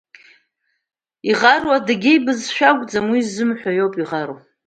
Иӷару адыгьеиа бызшәа акәӡам, уи ззымҳәо иоуп иӷару.